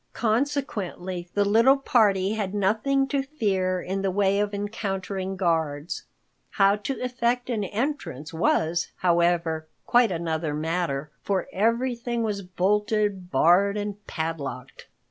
Consequently the little party had nothing to fear in the way of encountering guards. How to effect an entrance was, however, quite another matter, for everything was bolted, barred and padlocked.